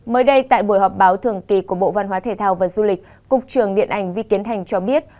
mới đây tại buổi họp báo thường kỳ của bộ văn hóa thể thao và du lịch cục trường điện ảnh vi kiến thành cho biết